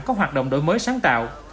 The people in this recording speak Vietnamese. có hoạt động đổi mới sáng tạo